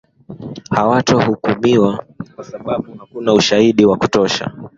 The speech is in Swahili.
Hawato hukumiwa kwasababu hakuna ushaidi wa kotosha